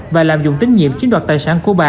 và lạm dụng tín nhiệm chiếm đoạt tài sản của bà